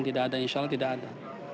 tidak ada insya allah tidak ada